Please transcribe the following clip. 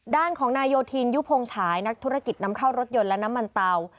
ด้านของนายโยธินยุพงฉายนักธุรกิจนำเข้ารถยนต์และน้ำมันเตา